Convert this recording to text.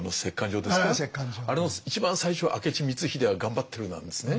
あれの一番最初は明智光秀は頑張ってるなんですね。